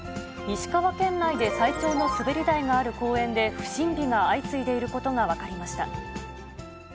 石川県内で最長の滑り台がある公園で、不審火が相次いでいることが分かりました。